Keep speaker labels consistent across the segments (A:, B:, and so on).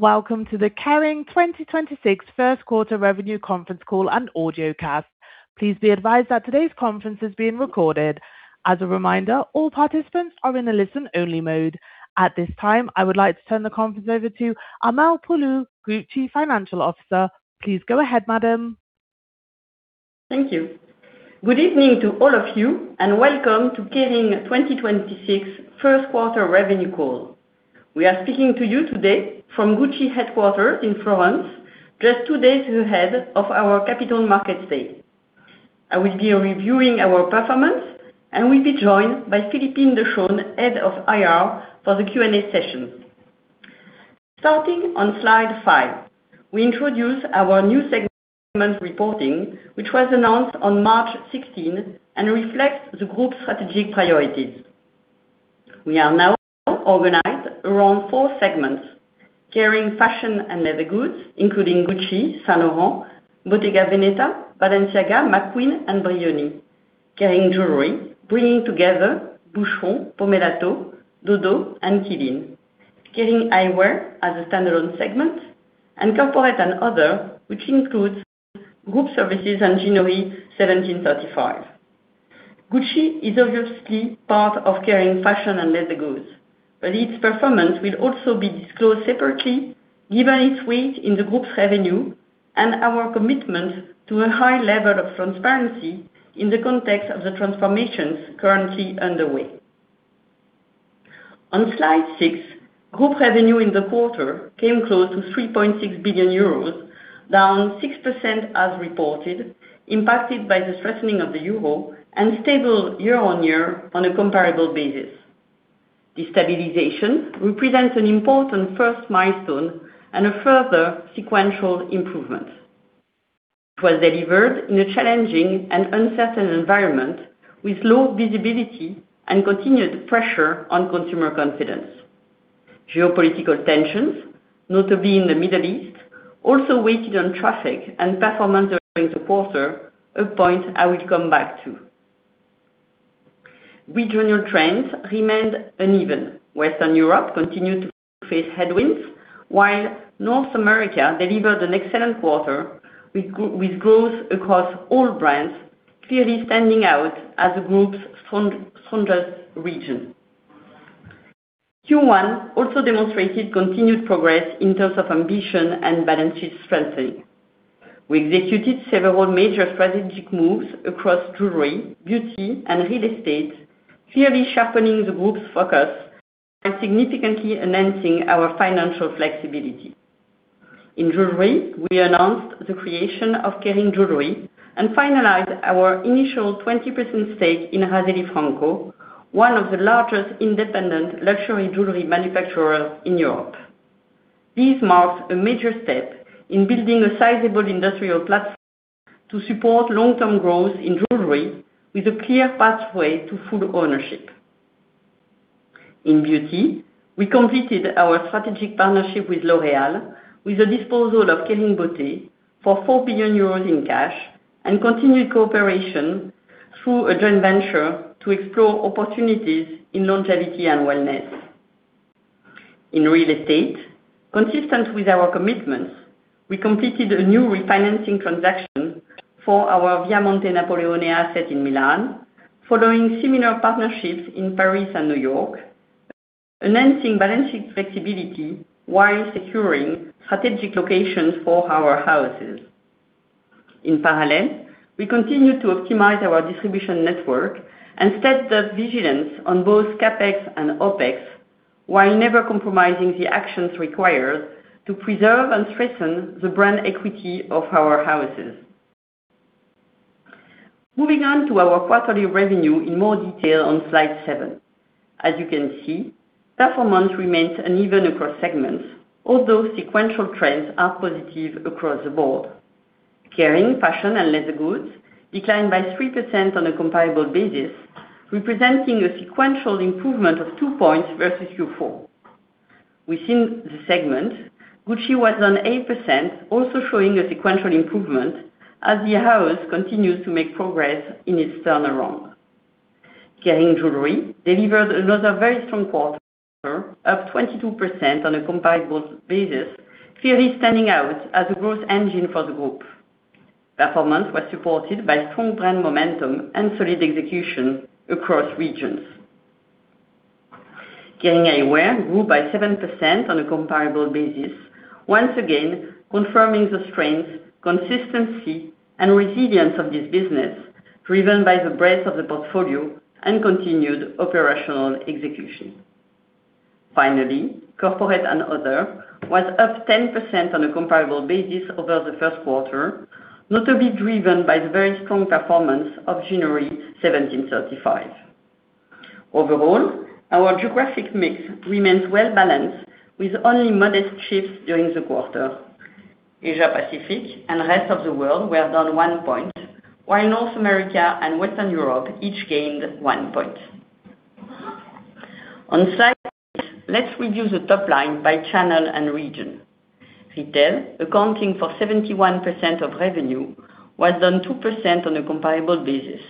A: Welcome to the Kering 2026 Q1 revenue conference call and audiocast. Please be advised that today's conference is being recorded. As a reminder, all participants are in a listen-only mode. At this time, I would like to turn the conference over to Armelle Poulou, Group Chief Financial Officer. Please go ahead, madam.
B: Thank you. Good evening to all of you. Welcome to Kering 2026 Q1 revenue call. We are speaking to you today from Gucci headquarters in Florence, just two days ahead of our Capital Markets Day. I will be reviewing our performance and will be joined by Philippine de Schonen, Head of IR, for the Q&A session. Starting on slide five, we introduce our new segment reporting, which was announced on March 16 and reflects the Group's strategic priorities. We are now organized around four segments, Kering Fashion & Leather Goods, including Gucci, Saint Laurent, Bottega Veneta, Balenciaga, McQueen, and Brioni, Kering Jewelry, bringing together Boucheron, Pomellato, Dodo, and Qeelin, Kering Eyewear as a standalone segment, and Corporate and Other, which includes Group services and Ginori 1735. Gucci is obviously part of Kering Fashion & Leather Goods, but its performance will also be disclosed separately given its weight in the group's revenue and our commitment to a high level of transparency in the context of the transformations currently underway. On slide six, group revenue in the quarter came close to 3.6 billion euros, down 6% as reported, impacted by the strengthening of the euro, and stable year-on-year on a comparable basis. This stabilization represents an important first milestone and a further sequential improvement. It was delivered in a challenging and uncertain environment with low visibility and continued pressure on consumer confidence. Geopolitical tensions, notably in the Middle East, also weighed on traffic and performance during the quarter, a point I will come back to. Regional trends remained uneven. Western Europe continued to face headwinds, while North America delivered an excellent quarter with growth across all brands, clearly standing out as the Group's strongest region. Q1 also demonstrated continued progress in terms of ambition and balance sheet strengthening. We executed several major strategic moves across jewelry, beauty, and real estate, clearly sharpening the Group's focus by significantly enhancing our financial flexibility. In jewelry, we announced the creation of Kering Jewelry and finalized our initial 20% stake in Raselli Franco, one of the largest independent luxury jewelry manufacturers in Europe. This marks a major step in building a sizable industrial platform to support long-term growth in jewelry with a clear pathway to full ownership. In beauty, we completed our strategic partnership with L'Oréal with the disposal of Kering Beauté for 4 billion euros in cash and continued cooperation through a joint venture to explore opportunities in longevity and wellness. In real estate, consistent with our commitments, we completed a new refinancing transaction for our Via Monte Napoleone asset in Milan, following similar partnerships in Paris and New York, enhancing balance sheet flexibility while securing strategic locations for our houses. In parallel, we continue to optimize our distribution network and set the vigilance on both CapEx and OpEx, while never compromising the actions required to preserve and strengthen the brand equity of our houses. Moving on to our quarterly revenue in more detail on slide seven. As you can see, performance remains uneven across segments, although sequential trends are positive across the board. Kering Fashion & Leather Goods declined by 3% on a comparable basis, representing a sequential improvement of two points versus Q4. Within the segment, Gucci was down 8%, also showing a sequential improvement as the house continues to make progress in its turnaround. Kering Jewelry delivered another very strong quarter, up 22% on a comparable basis, clearly standing out as a growth engine for the Group. Performance was supported by strong brand momentum and solid execution across regions. Kering Eyewear grew by 7% on a comparable basis, once again confirming the strength, consistency, and resilience of this business, driven by the breadth of the portfolio and continued operational execution. Finally, Corporate and Other was up 10% on a comparable basis over the Q1, notably driven by the very strong performance of Ginori 1735. Overall, our geographic mix remains well-balanced, with only modest shifts during the quarter. Asia Pacific and Rest of the World were down one point, while North America and Western Europe each gained one point. On slide eight, let's review the top line by channel and region. Retail, accounting for 71% of revenue, was down 2% on a comparable basis.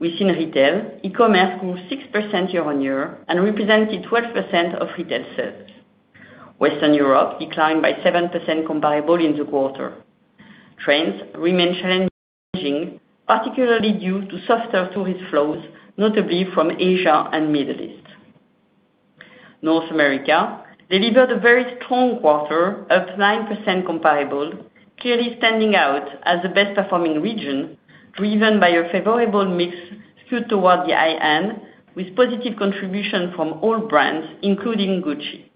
B: Within retail, e-commerce grew 6% year-on-year and represented 12% of retail sales. Western Europe declined by 7% comparable in the quarter. Trends remain challenging, particularly due to softer tourist flows, notably from Asia and Middle East. North America delivered a very strong quarter, up 9% comparable, clearly standing out as the best performing region, driven by a favorable mix skewed toward the high-end, with positive contribution from all brands, including Gucci.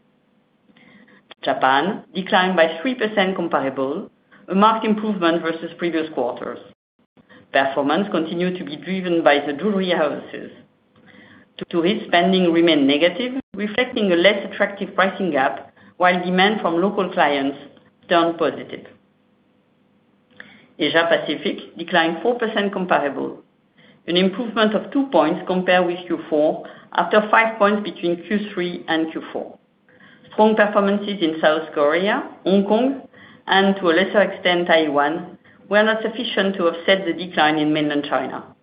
B: Japan declined by 3% comparable, a marked improvement versus previous quarters. Performance continued to be driven by the jewelry houses. Tourist spending remained negative, reflecting a less attractive pricing gap, while demand from local clients turned positive. Asia Pacific declined 4% comparable, an improvement of two points compared with Q4, after five points between Q3 and Q4. Strong performances in South Korea, Hong Kong, and to a lesser extent, Taiwan, were not sufficient to offset the decline in mainland China.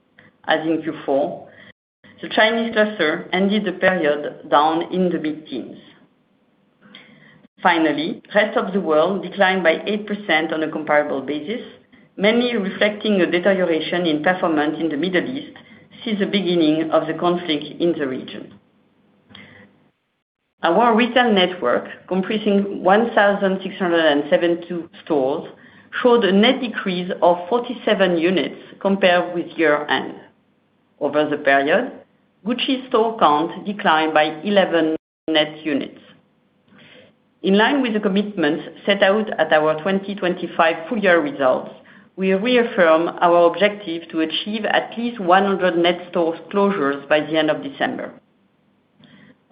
B: As in Q4, the Chinese cluster ended the period down in the mid-teens. Finally, rest of the world declined by 8% on a comparable basis, mainly reflecting a deterioration in performance in the Middle East since the beginning of the conflict in the region. Our retail network, comprising 1,672 stores, showed a net decrease of 47 units compared with year-end. Over the period, Gucci store count declined by 11 net units. In line with the commitments set out at our 2025 full year results, we affirm our objective to achieve at least 100 net store closures by the end of December.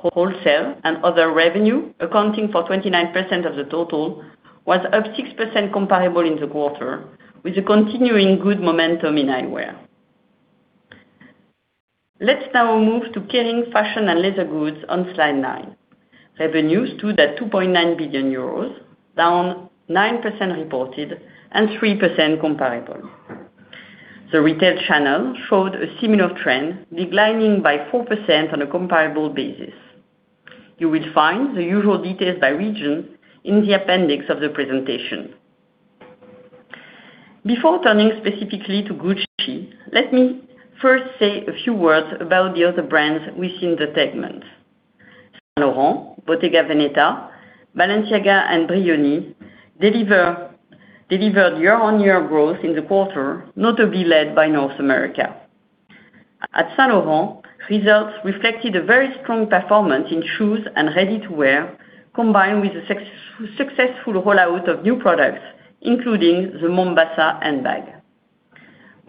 B: Wholesale and other revenue, accounting for 29% of the total, was up 6% comparable in the quarter, with a continuing good momentum in eyewear. Let's now move to Kering Fashion & Leather Goods on slide nine. Revenues stood at 2.9 billion euros, down 9% reported and 3% comparable. The retail channel showed a similar trend, declining by 4% on a comparable basis. You will find the usual details by region in the appendix of the presentation. Before turning specifically to Gucci, let me first say a few words about the other brands within the segment. Saint Laurent, Bottega Veneta, Balenciaga, and Brioni delivered year-on-year growth in the quarter, notably led by North America. At Saint Laurent, results reflected a very strong performance in shoes and ready-to-wear, combined with a successful rollout of new products, including the Mombasa handbag.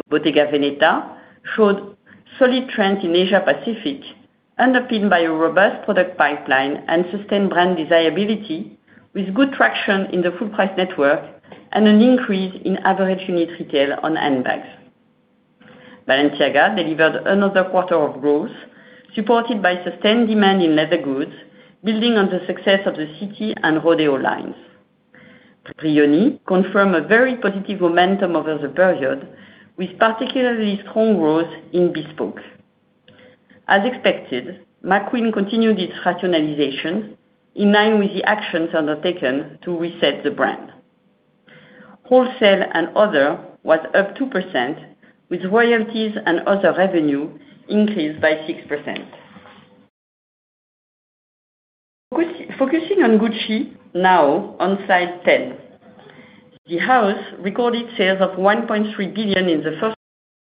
B: Bottega Veneta showed solid trends in Asia Pacific, underpinned by a robust product pipeline and sustained brand desirability, with good traction in the full-price network and an increase in average unit retail on handbags. Balenciaga delivered another quarter of growth supported by sustained demand in leather goods, building on the success of the City and Rodeo lines. Brioni confirm a very positive momentum over the period, with particularly strong growth in bespoke. As expected, McQueen continued its rationalization in line with the actions undertaken to reset the brand. Wholesale and Other was up 2%, with royalties and other revenue increased by 6%. Focusing on Gucci now on slide 10. The house recorded sales of 1.3 billion in the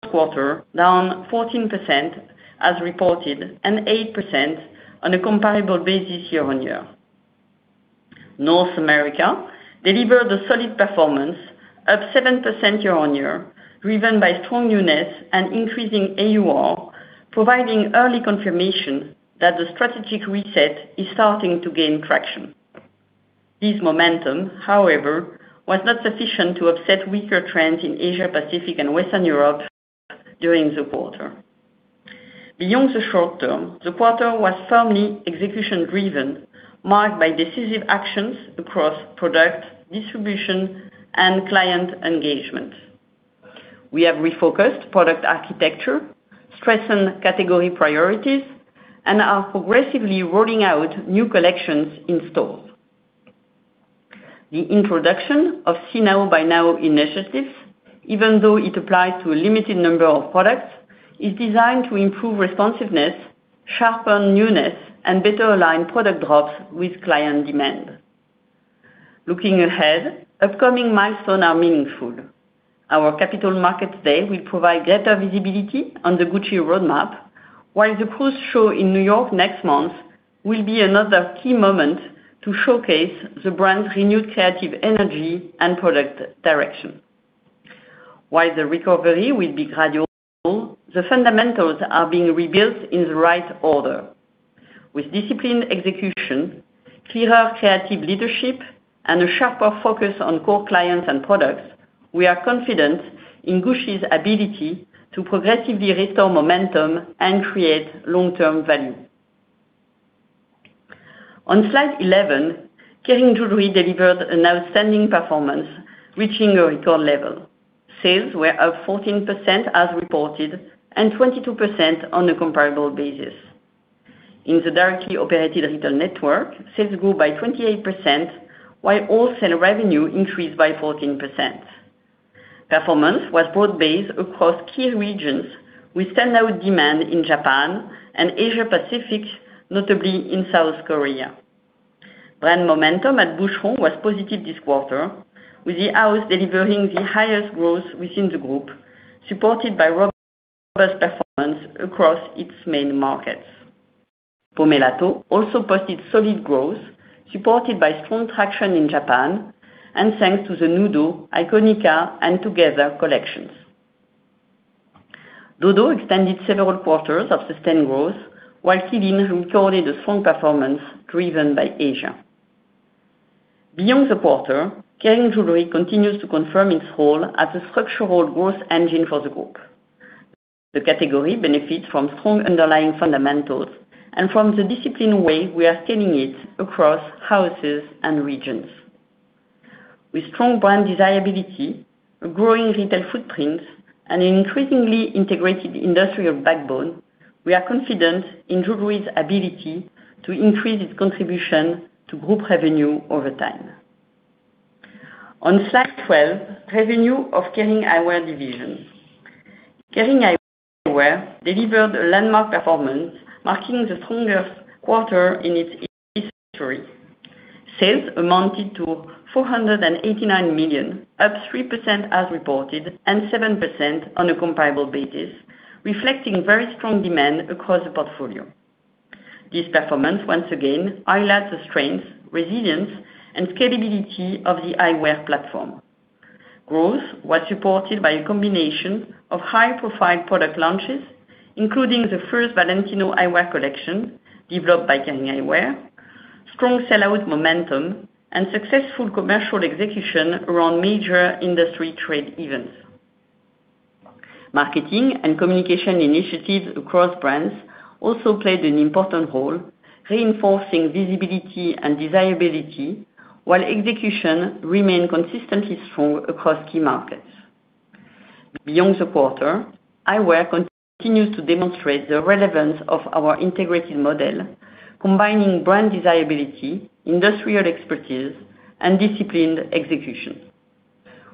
B: Q1, down 14% as reported, and 8% on a comparable basis year-on-year. North America delivered a solid performance, up 7% year-on-year, driven by strong newness and increasing AUR, providing early confirmation that the strategic reset is starting to gain traction. This momentum, however, was not sufficient to offset weaker trends in Asia Pacific and Western Europe during the quarter. Beyond the short term, the quarter was firmly execution-driven, marked by decisive actions across product, distribution, and client engagement. We have refocused product architecture, strengthened category priorities, and are progressively rolling out new collections in stores. The introduction of See Now, Buy Now initiatives, even though it applies to a limited number of products, is designed to improve responsiveness, sharpen newness, and better align product drops with client demand. Looking ahead, upcoming milestones are meaningful. Our Capital Markets Day will provide greater visibility on the Gucci roadmap, while the cruise show in New York next month will be another key moment to showcase the brand's renewed creative energy and product direction. While the recovery will be gradual, the fundamentals are being rebuilt in the right order. With disciplined execution, clearer creative leadership, and a sharper focus on core clients and products, we are confident in Gucci's ability to progressively restore momentum and create long-term value. On slide 11, Kering Jewelry delivered an outstanding performance, reaching a record level. Sales were up 14% as reported, and 22% on a comparable basis. In the directly operated retail network, sales grew by 28%, while wholesale revenue increased by 14%. Performance was broad-based across key regions, with standout demand in Japan and Asia-Pacific, notably in South Korea. Brand momentum at Boucheron was positive this quarter, with the house delivering the highest growth within the group, supported by robust performance across its main markets. Pomellato also posted solid growth, supported by strong traction in Japan and thanks to the Nudo, Iconica, and Together collections. Dodo extended several quarters of sustained growth, while Qeelin recorded a strong performance driven by Asia. Beyond the quarter, Kering Jewelry continues to confirm its role as a structural growth engine for the Group. The category benefits from strong underlying fundamentals and from the disciplined way we are scaling it across Houses and regions. With strong brand desirability, a growing retail footprint, and an increasingly integrated industrial backbone, we are confident in jewelry's ability to increase its contribution to Group revenue over time. On slide 12, revenue of Kering Eyewear Division. Kering Eyewear delivered a landmark performance, marking the strongest quarter in its history. Sales amounted to 489 million, up 3% as reported and 7% on a comparable basis, reflecting very strong demand across the portfolio. This performance once again highlights the strength, resilience, and scalability of the eyewear platform. Growth was supported by a combination of high-profile product launches, including the first Valentino eyewear collection developed by Kering Eyewear, strong sell-out momentum, and successful commercial execution around major industry trade events. Marketing and communication initiatives across brands also played an important role, reinforcing visibility and desirability while execution remained consistently strong across key markets. Beyond the quarter, eyewear continues to demonstrate the relevance of our integrated model, combining brand desirability, industrial expertise, and disciplined execution.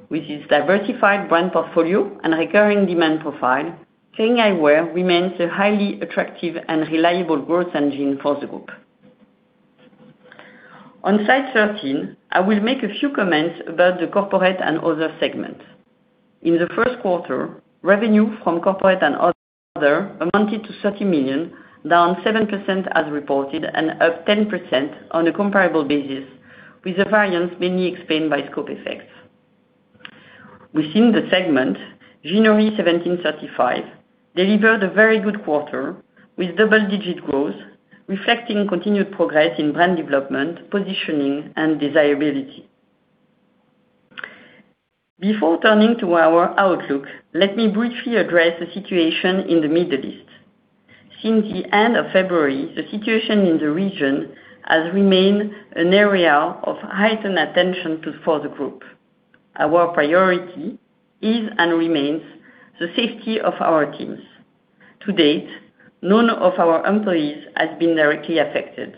B: With its diversified brand portfolio and recurring demand profile, Kering Eyewear remains a highly attractive and reliable growth engine for the group. On slide 13, I will make a few comments about the Corporate and Other segments. In the Q1, revenue from Corporate and Other amounted to 30 million, down 7% as reported and up 10% on a comparable basis with the variance mainly explained by scope effects. Within the segment, Ginori 1735 delivered a very good quarter with double-digit growth, reflecting continued progress in brand development, positioning, and desirability. Before turning to our outlook, let me briefly address the situation in the Middle East. Since the end of February, the situation in the region has remained an area of heightened attention for the Group. Our priority is and remains the safety of our teams. To date, none of our employees has been directly affected.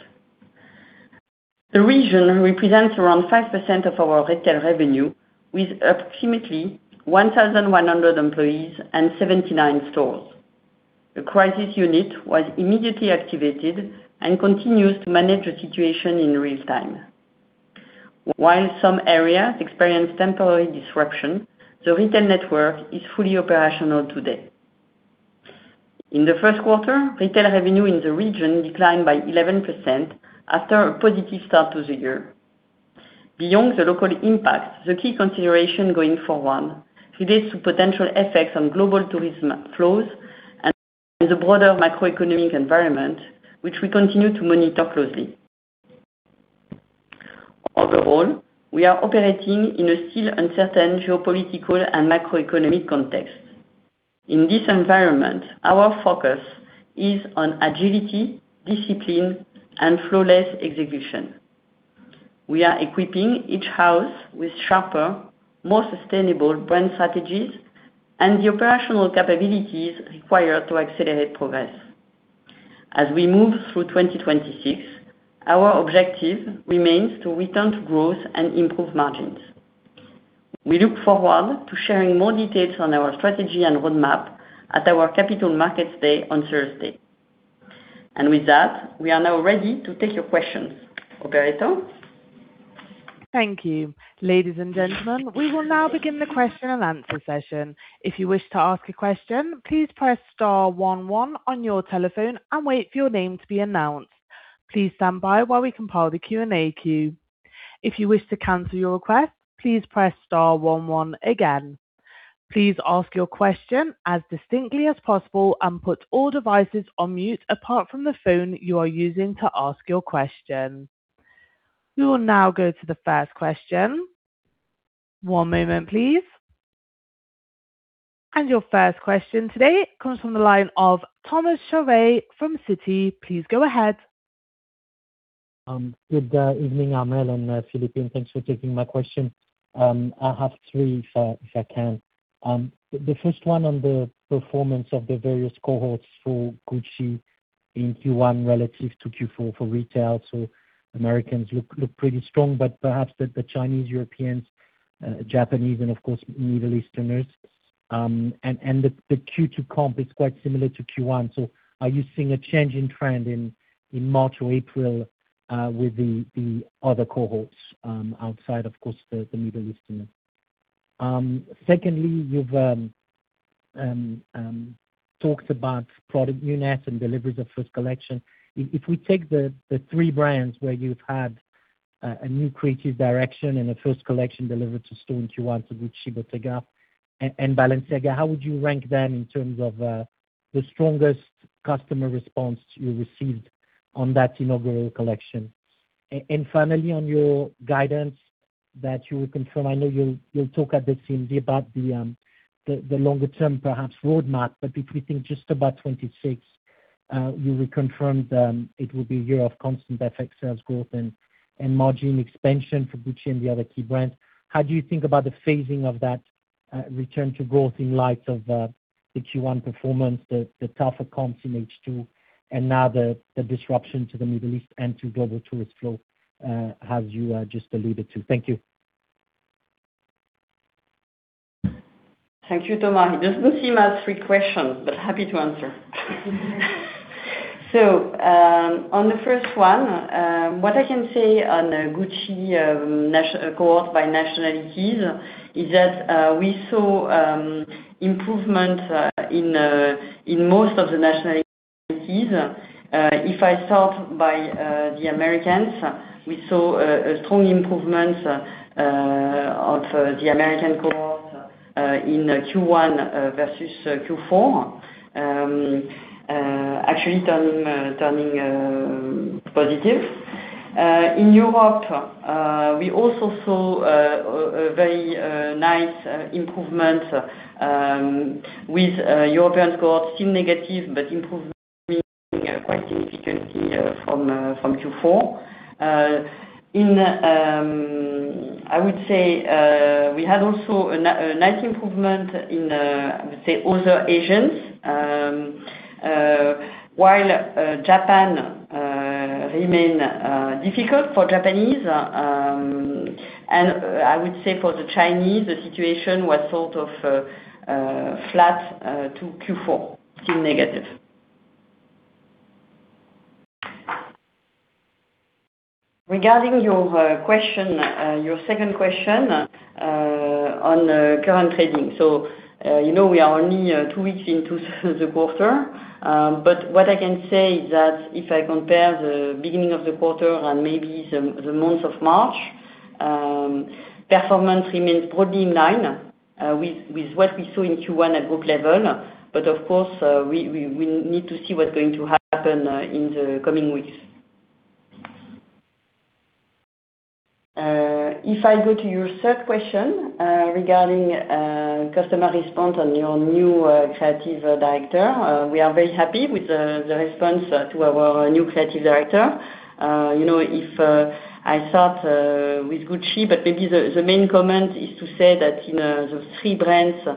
B: The region represents around 5% of our retail revenue, with approximately 1,100 employees and 79 stores. A crisis unit was immediately activated and continues to manage the situation in real time. While some areas experience temporary disruption, the retail network is fully operational today. In the Q1, retail revenue in the region declined by 11% after a positive start to the year. Beyond the local impact, the key consideration going forward relates to potential effects on global tourism flows and the broader macroeconomic environment, which we continue to monitor closely. Overall, we are operating in a still uncertain geopolitical and macroeconomic context. In this environment, our focus is on agility, discipline, and flawless execution. We are equipping each house with sharper, more sustainable brand strategies and the operational capabilities required to accelerate progress. As we move through 2026, our objective remains to return to growth and improve margins. We look forward to sharing more details on our strategy and roadmap at our Capital Markets Day on Thursday. With that, we are now ready to take your questions. Roberto?
A: Thank you. Ladies and gentlemen, we will now begin the question and answer session. If you wish to ask a question, please press star one one on your telephone and wait for your name to be announced. Please stand by while we compile the Q&A queue. If you wish to cancel your request, please press star one one again. Please ask your question as distinctly as possible and put all devices on mute apart from the phone you are using to ask your question. We will now go to the first question. One moment, please. Your first question today comes from the line of Thomas Chauvet from Citi. Please go ahead.
C: Good evening, Armelle and Philippine. Thanks for taking my question. I have three, if I can. The first one on the performance of the various cohorts for Gucci in Q1 relative to Q4 for retail, Americans look pretty strong, but perhaps the Chinese, Europeans, Japanese, and of course Middle Easterners, and the Q2 comp is quite similar to Q1. Are you seeing a change in trend in March or April with the other cohorts outside, of course, the Middle Easterners? Secondly, you've talked about product newness and deliveries of first collection. If we take the three brands where you've had a new creative direction and a first collection delivered to store in Q1, so Gucci, Bottega, and Balenciaga, how would you rank them in terms of the strongest customer response you received on that inaugural collection? Finally, on your guidance that you will confirm, I know you'll talk at the CMD about the longer-term, perhaps, roadmap. If we think just about 2026, you reconfirmed it will be a year of constant FX sales growth and margin expansion for Gucci and the other key brands. How do you think about the phasing of that return to growth in light of the Q1 performance, the tougher comps in H2, and now the disruption to the Middle East and to global tourist flow, as you just alluded to? Thank you.
B: Thank you, Thomas. It doesn't seem as three questions, but happy to answer. On the first one, what I can say on Gucci cohort by nationalities is that we saw improvement in most of the nationalities. If I start by the Americans, we saw a strong improvement of the American cohort in Q1 versus Q4, actually turning positive. In Europe, we also saw a very nice improvement with European cohort, still negative, but improving quite significantly from Q4. I would say we had also a nice improvement in, I would say other Asians, while Japan remain difficult for Japanese. I would say for the Chinese, the situation was sort of flat to Q4, still negative. Regarding your second question on current trading, you know we are only two weeks into the quarter. What I can say is that if I compare the beginning of the quarter and maybe the month of March, performance remains broadly in line with what we saw in Q1 at Group level. Of course, we need to see what's going to happen in the coming weeks. If I go to your third question regarding customer response on your new Creative Director, we are very happy with the response to our new Creative Director. If I start with Gucci, but maybe the main comment is to say that in those three brands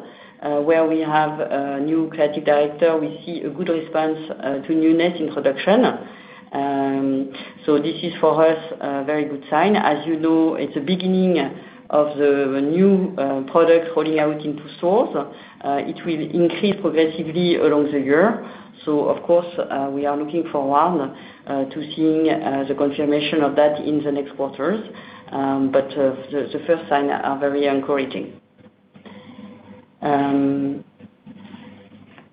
B: where we have a new Creative Director, we see a good response to newness introduction. This is for us a very good sign. As you know, it's the beginning of the new products rolling out into stores. It will increase progressively along the year. Of course, we are looking forward to seeing the confirmation of that in the next quarters. The first signs are very encouraging.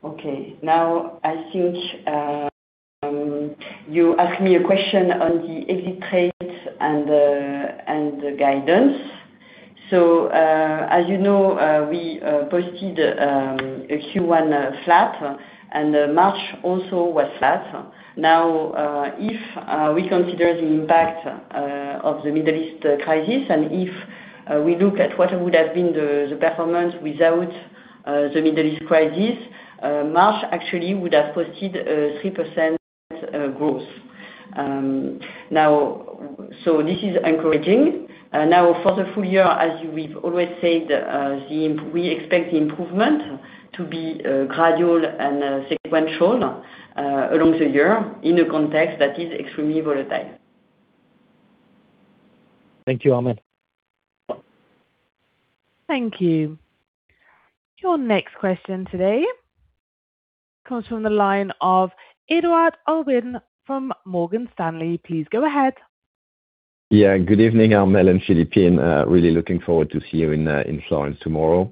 B: Okay. Now I think you asked me a question on the exit rate and the guidance. As you know, we posted a Q1 flat and March also was flat. Now, if we consider the impact of the Middle East crisis, and if we look at what would have been the performance without the Middle East crisis, March actually would have posted a 3% growth. This is encouraging. Now for the full year, as we've always said, we expect the improvement to be gradual and sequential along the year in a context that is extremely volatile.
C: Thank you, Armelle.
A: Thank you. Your next question today comes from the line of Edouard Aubin from Morgan Stanley. Please go ahead.
D: Yeah. Good evening, Armelle and Philippine. Really looking forward to see you in Florence tomorrow.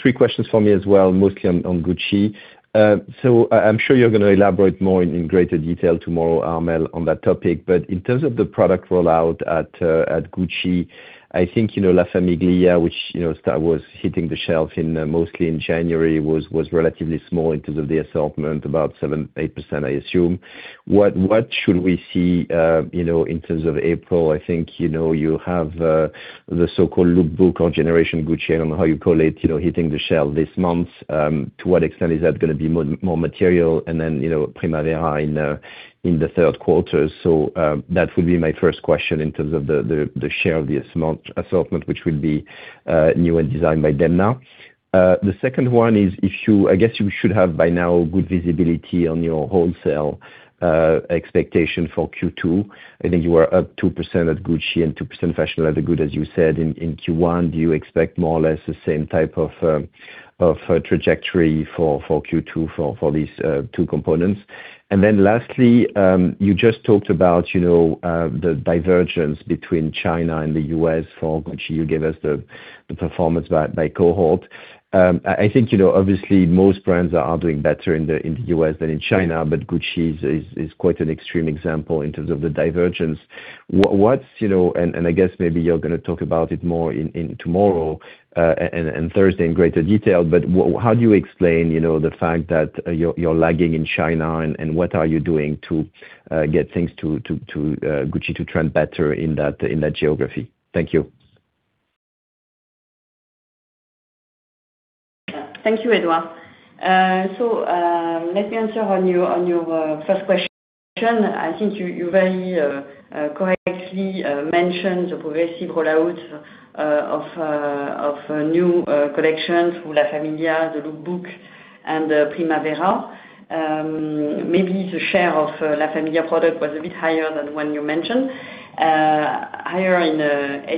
D: Three questions for me as well, mostly on Gucci. I'm sure you're going to elaborate more in greater detail tomorrow, Armelle, on that topic. In terms of the product rollout at Gucci, I think La Famiglia, which was hitting the shelf mostly in January, was relatively small in terms of the assortment, about 7%-8%, I assume. What should we see in terms of April? I think you have the so-called look book on generation Gucci, I don't know how you call it, hitting the shelf this month. To what extent is that going to be more material and then, Primavera in the Q3? That would be my first question in terms of the share of the assortment, which will be new and designed by them now. The second one is, I guess you should have by now good visibility on your wholesale expectation for Q2. I think you are up 2% at Gucci and 2% Fashion & Leather Goods, as you said in Q1. Do you expect more or less the same type of trajectory for Q2 for these two components? Lastly, you just talked about the divergence between China and the U.S. for Gucci. You gave us the performance by cohort. I think, obviously, most brands are doing better in the U.S. than in China, but Gucci is quite an extreme example in terms of the divergence. I guess maybe you're going to talk about it more tomorrow and Thursday in greater detail, but how do you explain the fact that you're lagging in China and what are you doing to get things to Gucci to trend better in that geography? Thank you.
B: Thank you, Edouard. Let me answer on your first question. I think you very correctly mentioned the progressive rollout of new collections for La Famiglia, the look book, and Primavera. Maybe the share of La Famiglia product was a bit higher than the one you mentioned, higher in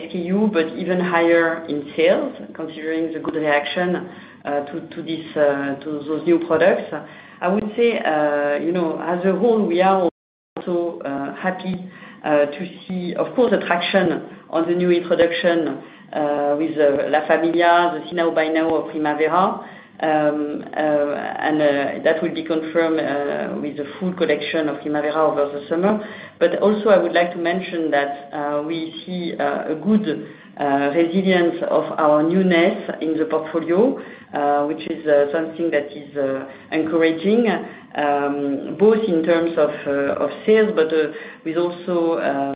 B: SKU, but even higher in sales, considering the good reaction to those new products. I would say, as a whole, we are also happy to see, of course, the traction on the new introduction with La Famiglia, the See Now, Buy Now of Primavera, and that will be confirmed with the full collection of Primavera over the summer. I would like to mention that we see a good resilience of our newness in the portfolio, which is something that is encouraging, both in terms of sales, but with also an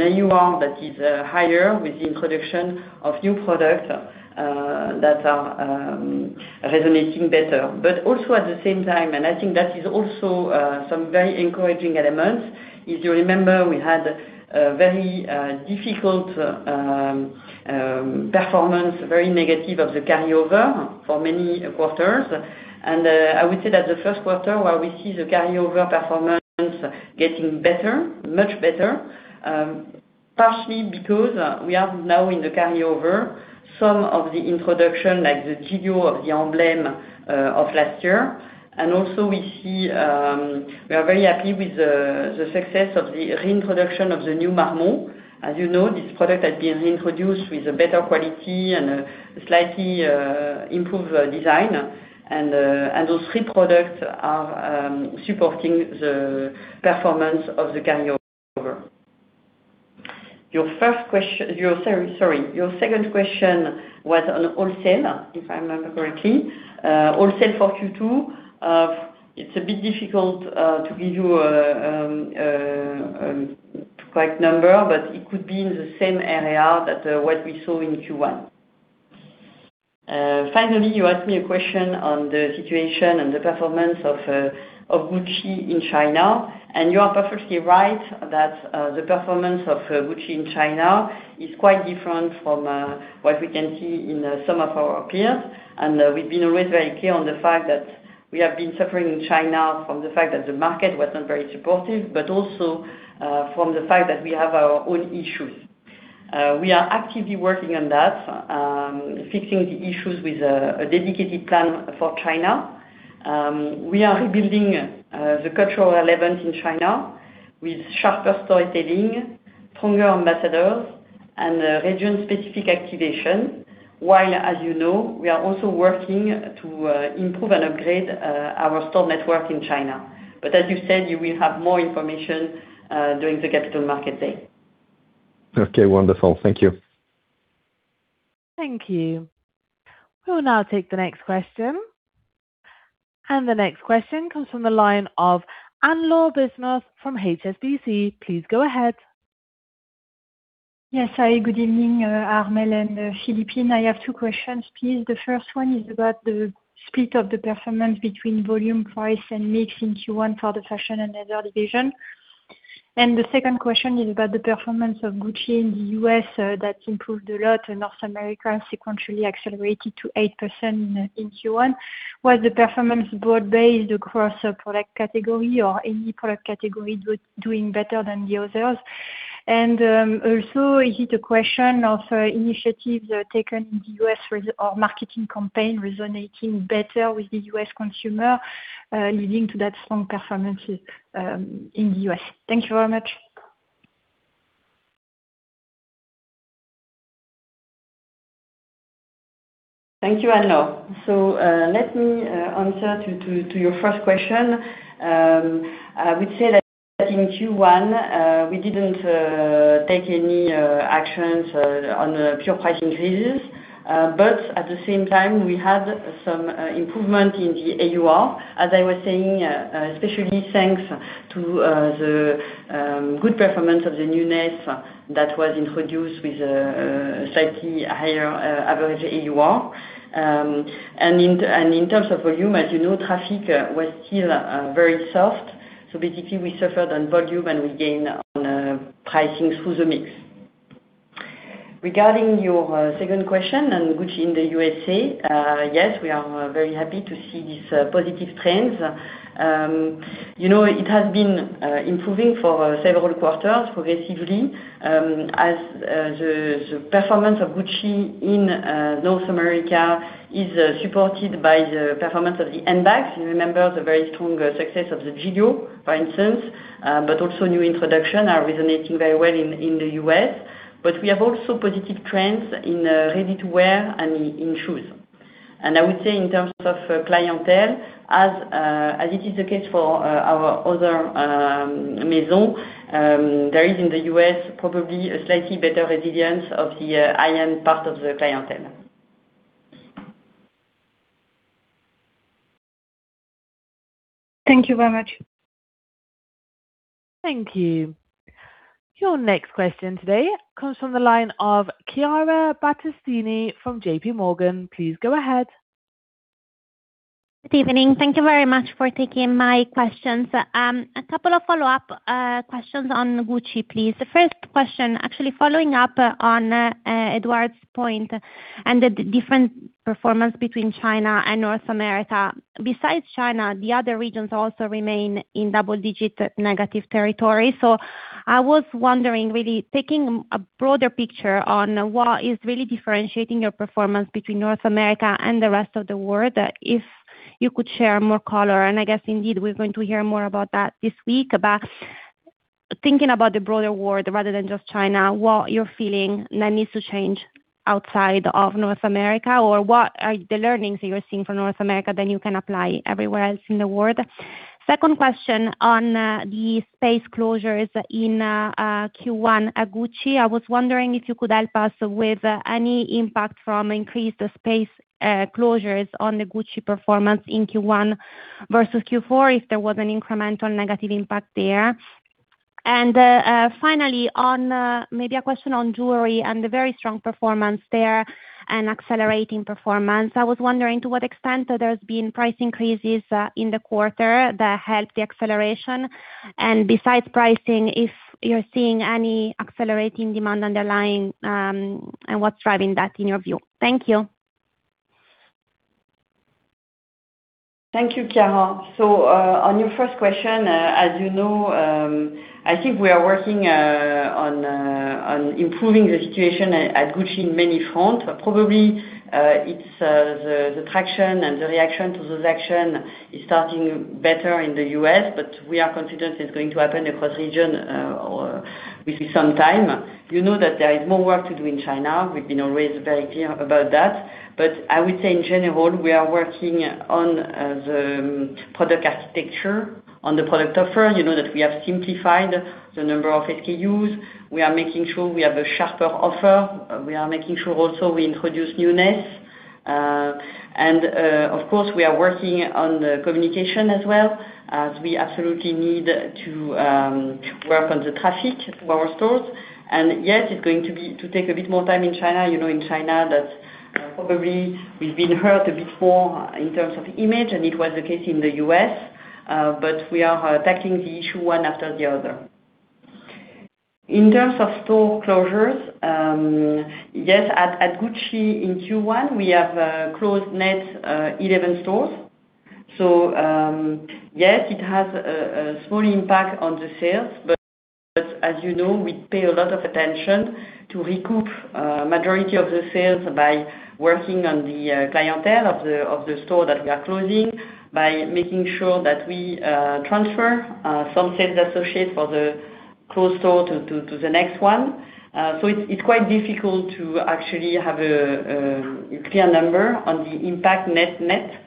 B: AUR that is higher with the introduction of new products that are resonating better. At the same time, and I think that is also some very encouraging elements, if you remember, we had a very difficult performance, very negative of the carryover for many quarters. I would say that the Q1 where we see the carryover performance getting better, much better, partially because we have now in the carryover some of the introduction, like the Giglio or the GG Emblem of last year. We are very happy with the success of the reintroduction of the new Marmont. As you know, this product had been reintroduced with a better quality and a slightly improved design. Those three products are supporting the performance of the carryover. Your second question was on wholesale, if I remember correctly. Wholesale for Q2, it's a bit difficult to give you a correct number, but it could be in the same area that what we saw in Q1. Finally, you asked me a question on the situation and the performance of Gucci in China, and you are perfectly right that the performance of Gucci in China is quite different from what we can see in some of our peers. We've been always very clear on the fact that we have been suffering in China from the fact that the market was not very supportive, but also, from the fact that we have our own issues. We are actively working on that, fixing the issues with a dedicated plan for China. We are rebuilding the cultural relevance in China with sharper storytelling, stronger ambassadors, and region-specific activation, while, as you know, we are also working to improve and upgrade our store network in China. As you said, you will have more information during the Capital Markets Day.
D: Okay, wonderful. Thank you.
A: Thank you. We'll now take the next question. The next question comes from the line of Anne-Laure Bismuth from HSBC. Please go ahead.
E: Yes. Good evening, Armelle and Philippine. I have two questions, please. The first one is about the split of the performance between volume, price, and mix in Q1 for the Fashion & Leather division. The second question is about the performance of Gucci in the U.S. that improved a lot in North America, sequentially accelerated to 8% in Q1. Was the performance broad-based across a product category or any product category doing better than the others? Also, is it a question of initiatives taken in the U.S., or marketing campaign resonating better with the U.S. consumer, leading to that strong performance in the U.S.? Thank you very much.
B: Thank you, Anne-Laure. Let me answer to your first question. I would say that in Q1, we didn't take any actions on pure price increases. At the same time, we had some improvement in the AUR, as I was saying, especially thanks to the good performance of the newness that was introduced with a slightly higher average AUR. In terms of volume, as you know, traffic was still very soft. Basically we suffered on volume, and we gained on pricing through the mix. Regarding your second question on Gucci in the U.S., yes, we are very happy to see these positive trends. It has been improving for several quarters progressively, as the performance of Gucci in North America is supported by the performance of the handbags. You remember the very strong success of the Giglio, for instance, but also new introduction are resonating very well in the U.S. We have also positive trends in ready-to-wear and in shoes. I would say in terms of clientele, as it is the case for our other Maison, there is, in the U.S., probably a slightly better resilience of the high-end part of the clientele.
E: Thank you very much.
A: Thank you. Your next question today comes from the line of Chiara Battistini from JPMorgan. Please go ahead.
F: Good evening. Thank you very much for taking my questions. A couple of follow-up questions on Gucci, please. The first question, actually following up on Edouard's point on the different performance between China and North America. Besides China, the other regions also remain in double-digit negative territory. I was wondering really, taking a broader picture on what is really differentiating your performance between North America and the rest of the world, if you could share more color. I guess indeed, we're going to hear more about that this week. Thinking about the broader world rather than just China, what you're feeling that needs to change outside of North America, or what are the learnings you're seeing from North America that you can apply everywhere else in the world? Second question on the space closures in Q1 at Gucci. I was wondering if you could help us with any impact from increased space closures on the Gucci performance in Q1 versus Q4, if there was an incremental negative impact there. Finally, maybe a question on jewelry and the very strong performance there and accelerating performance, I was wondering to what extent there's been price increases in the quarter that helped the acceleration. Besides pricing, if you're seeing any accelerating demand underlying, and what's driving that in your view? Thank you.
B: Thank you, Chiara. On your first question, as you know, I think we are working on improving the situation at Gucci on many front. Probably it's the traction and the reaction to those action is starting better in the U.S., but we are confident it's going to happen across region with some time. You know that there is more work to do in China. We've been always very clear about that. I would say in general, we are working on the product architecture, on the product offer. You know that we have simplified the number of SKUs. We are making sure we have a sharper offer. We are making sure also we introduce newness. Of course, we are working on the communication as well, as we absolutely need to work on the traffic to our stores. Yes, it's going to take a bit more time in China. You know, in China that probably we've been hurt a bit more in terms of image, and it was the case in the U.S. We are attacking the issue one after the other. In terms of store closures, yes, at Gucci in Q1, we have closed net 11 stores. Yes, it has a small impact on the sales. As you know, we pay a lot of attention to recoup a majority of the sales by working on the clientele of the store that we are closing by making sure that we transfer some sales associates for the closed store to the next one. It's quite difficult to actually have a clear number on the impact net-net.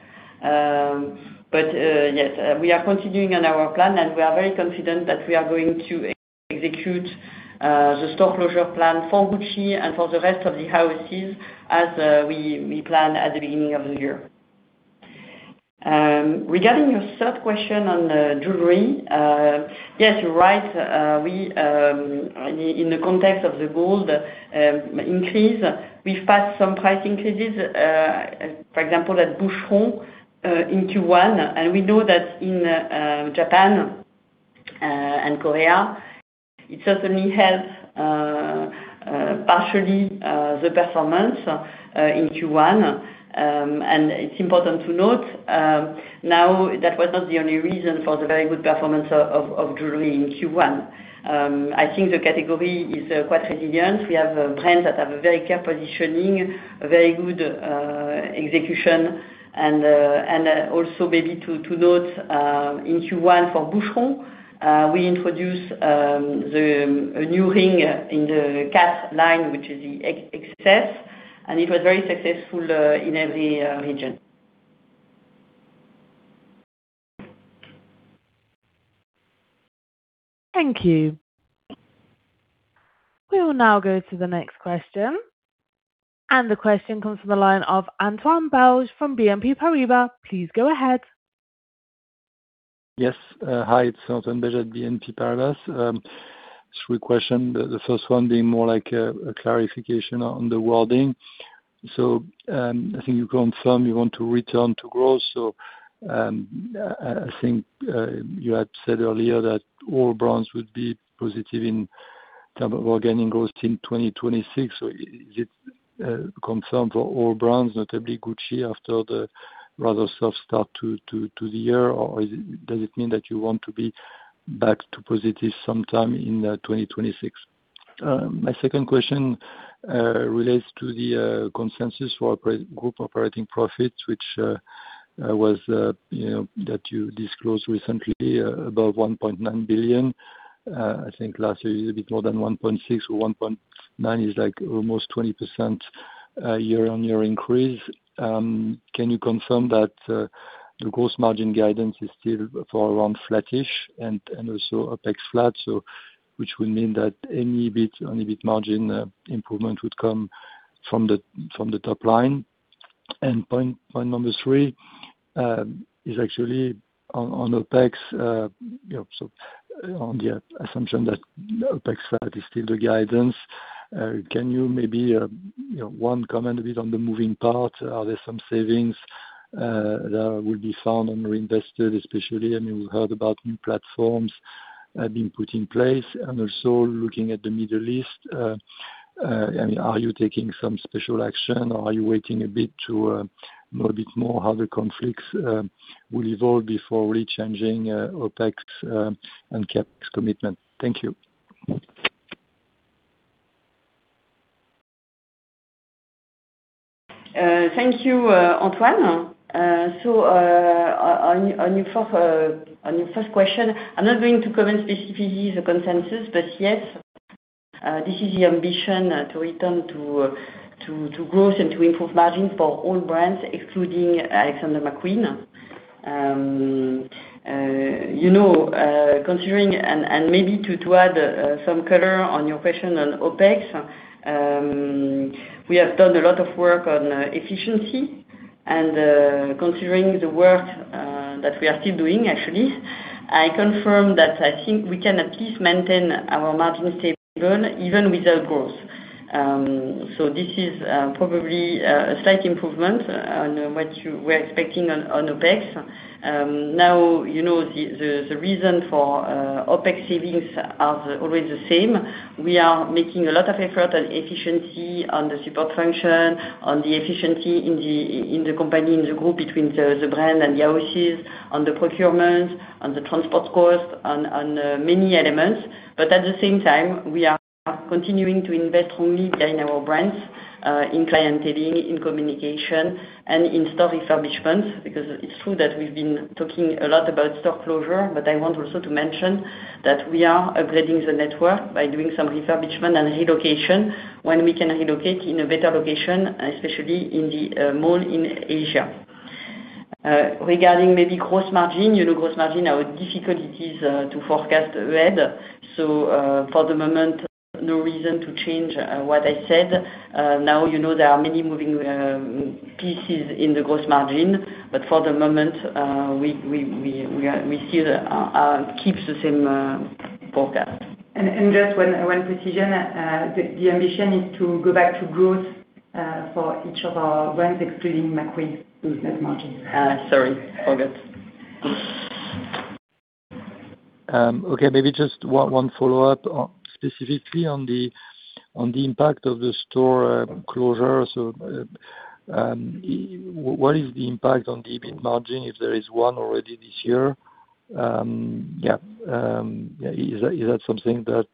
B: Yes, we are continuing on our plan, and we are very confident that we are going to execute the store closure plan for Gucci and for the rest of the houses as we plan at the beginning of the year. Regarding your third question on jewelry, yes, you're right. In the context of the gold increase, we've passed some price increases, for example, at Boucheron in Q1. We know that in Japan and Korea, it certainly helps partially the performance in Q1, and it's important to note now that was not the only reason for the very good performance of jewelry in Q1. I think the category is quite resilient. We have brands that have a very clear positioning, a very good execution. Also maybe to note in Q1 for Boucheron, we introduced a new ring in the Quatre line, which is the Exquises, and it was very successful in every region.
A: Thank you. We will now go to the next question. The question comes from the line of Antoine Belge from BNP Paribas. Please go ahead.
G: Yes. Hi, it's Antoine Belge at BNP Paribas. Three questions. The first one being more like a clarification on the wording. I think you confirm you want to return to growth. I think you had said earlier that all brands would be positive in terms of organic growth in 2026. Is it confirmed for all brands, notably Gucci, after the rather soft start to the year? Does it mean that you want to be back to positive sometime in 2026? My second question relates to the consensus for group operating profits that you disclosed recently, about 1.9 billion. I think last year is a bit more than 1.6, or 1.9 is like almost 20% year-on-year increase. Can you confirm that the gross margin guidance is still for around flattish and also OpEx flat? Which would mean that EBIT margin improvement would come from the top line. Point number three is actually on OpEx. On the assumption that OpEx flat is still the guidance, can you maybe, one, comment a bit on the moving part? Are there some savings that will be found and reinvested especially? I mean, we heard about new platforms have been put in place. Also looking at the Middle East, are you taking some special action or are you waiting a bit to know a bit more how the conflicts will evolve before really changing OpEx and CapEx commitment? Thank you.
B: Thank you, Antoine. On your first question, I'm not going to comment specifically the consensus, but yes, this is the ambition to return to growth and to improve margins for all brands, excluding Alexander McQueen. Considering, and maybe to add some color on your question on OpEx, we have done a lot of work on efficiency and, considering the work that we are still doing, actually, I confirm that I think we can at least maintain our margin stable, even without growth. This is probably a slight improvement on what we're expecting on OpEx. Now, the reason for OpEx savings are always the same. We are making a lot of effort on efficiency, on the support function, on the efficiency in the company, in the group between the brand and the houses, on the procurement, on the transport cost, on many elements. At the same time, we are continuing to invest only behind our brands, in clienteling, in communication, and in store refurbishments, because it's true that we've been talking a lot about store closure. I want also to mention that we are upgrading the network by doing some refurbishment and relocation when we can relocate in a better location, especially in the mall in Asia. Regarding maybe gross margin, you know gross margin, how difficult it is to forecast ahead. For the moment, no reason to change what I said. Now, you know there are many moving pieces in the gross margin, but for the moment, we still keep the same forecast.
H: Just one precision. The ambition is to go back to growth for each of our brands, excluding McQueen.
B: sorry, I forgot.
G: Okay, maybe just one follow-up, specifically on the impact of the store closures. What is the impact on EBIT margin, if there is one already this year? Yeah. Is that something that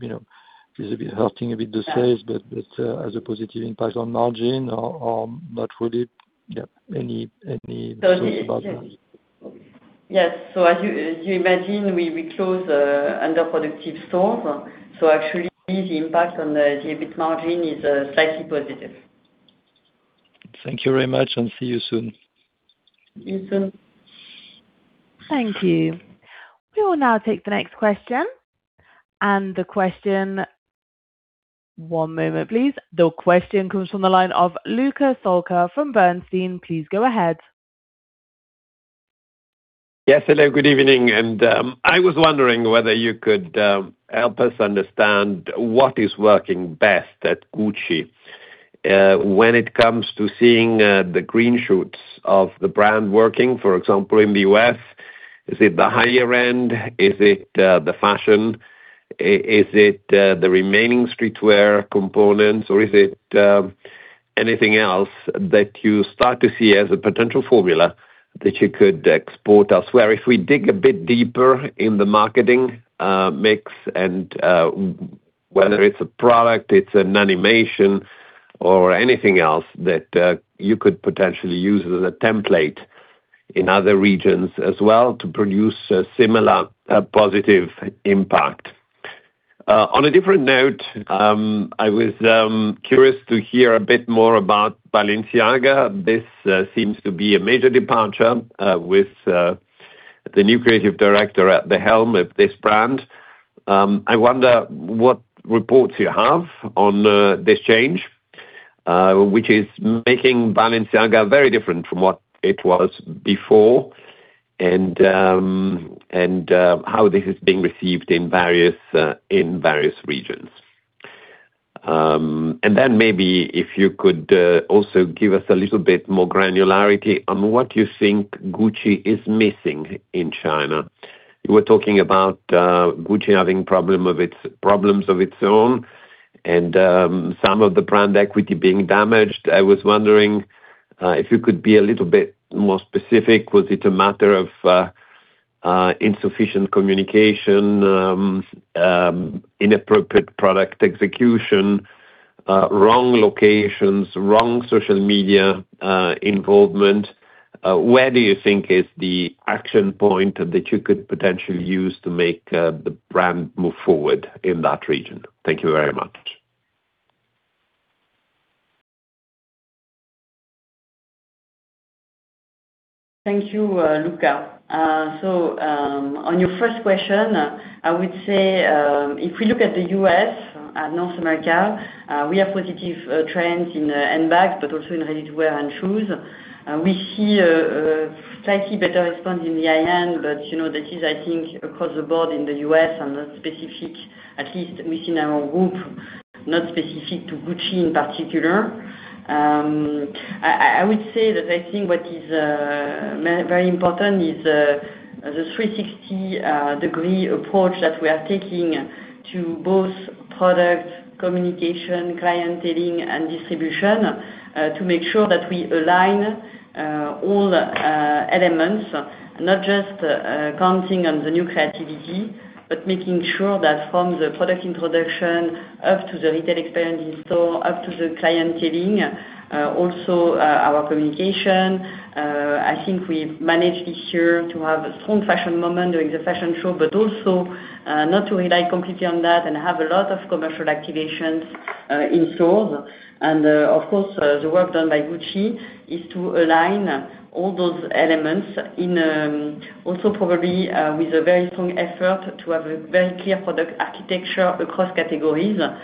G: is a bit hurting a bit the sales, but has a positive impact on margin or not really? Yeah, any thoughts about that?
B: Yes. As you imagine, we close underproductive stores. Actually, the impact on the EBIT margin is slightly positive.
G: Thank you very much and see you soon.
B: See you soon.
A: Thank you. We will now take the next question. One moment, please. The question comes from the line of Luca Solca from Bernstein. Please go ahead.
I: Yes. Hello, good evening. I was wondering whether you could help us understand what is working best at Gucci. When it comes to seeing the green shoots of the brand working, for example, in the U.S., is it the higher end? Is it the fashion? Is it the remaining streetwear components, or is it anything else that you start to see as a potential formula that you could export elsewhere? If we dig a bit deeper in the marketing mix and whether it's a product, it's an animation or anything else that you could potentially use as a template in other regions as well to produce a similar positive impact. On a different note, I was curious to hear a bit more about Balenciaga. This seems to be a major departure with the new Creative Director at the helm of this brand. I wonder what reports you have on this change, which is making Balenciaga very different from what it was before, and how this is being received in various regions. Maybe if you could also give us a little bit more granularity on what you think Gucci is missing in China. You were talking about Gucci having problems of its own and some of the brand equity being damaged. I was wondering if you could be a little bit more specific. Was it a matter of insufficient communication, inappropriate product execution, wrong locations, wrong social media involvement? Where do you think is the action point that you could potentially use to make the brand move forward in that region? Thank you very much.
B: Thank you, Luca. On your first question, I would say if we look at the U.S. and North America, we have positive trends in handbags, but also in ready-to-wear and shoes. We see a slightly better response in the high-end, but that is, I think, across the board in the U.S. and not specific, at least within our group, not specific to Gucci in particular. I would say that I think what is very important is the 360-degree approach that we are taking to both product communication, clienteling, and distribution to make sure that we align all the elements, not just counting on the new creativity, but making sure that from the product introduction up to the retail experience in-store up to the clienteling, also our communication. I think we managed this year to have a strong fashion moment during the fashion show, but also not to rely completely on that and have a lot of commercial activations in stores. Of course, the work done by Gucci is to align all those elements also probably with a very strong effort to have a very clear product architecture across categories to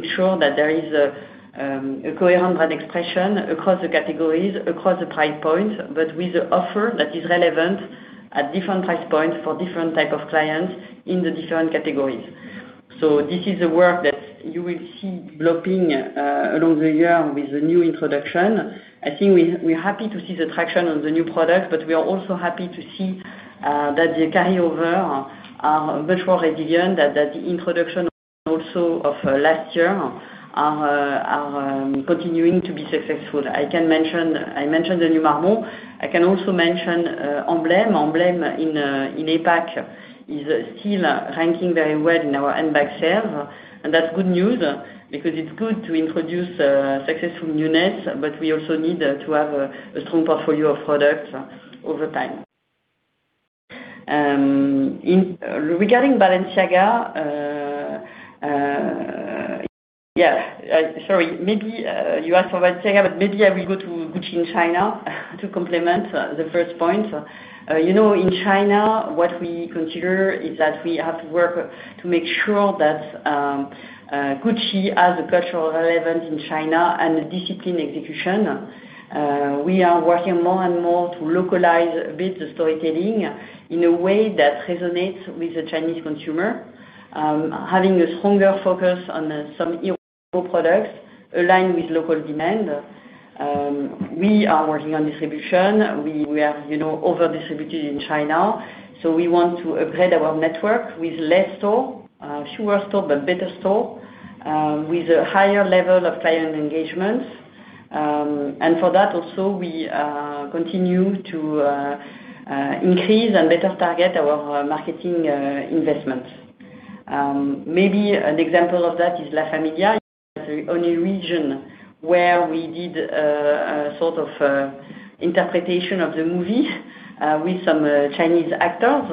B: ensure that there is a coherent brand expression across the categories, across the price point, but with the offer that is relevant at different price points for different type of clients in the different categories. This is the work that you will see developing along the year with the new introduction. I think we're happy to see the traction on the new product, but we are also happy to see that the carryovers are much more resilient, that the introduction also of last year are continuing to be successful. I mentioned the new Marmont. I can also mention Emblem. Emblem in APAC is still ranking very well in our handbag sales, and that's good news because it's good to introduce successful newness, but we also need to have a strong portfolio of products over time. Regarding Balenciaga, sorry, maybe you asked for Balenciaga, but maybe I will go to Gucci in China to complement the first point. In China, what we consider is that we have to work to make sure that Gucci has a cultural relevance in China and a disciplined execution. We are working more and more to localize a bit the storytelling in a way that resonates with the Chinese consumer, having a stronger focus on some products aligned with local demand. We are working on distribution. We have over-distributed in China, so we want to upgrade our network with fewer store, but better store, with a higher level of client engagement. For that also, we continue to increase and better target our marketing investment. Maybe an example of that is La Famiglia. The only region where we did a sort of interpretation of the movie with some Chinese actors,